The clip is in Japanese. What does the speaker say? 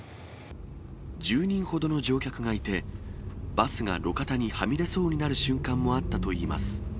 １０人ほどの乗客がいて、バスが路肩にはみ出そうになる瞬間もあったといいます。